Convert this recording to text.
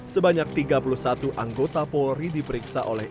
sebanyak tiga puluh satu anggota polri diperiksa oleh